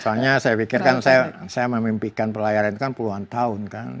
soalnya saya pikirkan saya memimpikan pelayaran itu kan puluhan tahun kan